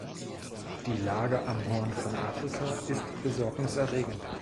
Die Lage am Horn von Afrika ist besorgniserregend.